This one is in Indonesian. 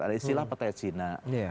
ada istilah petai cina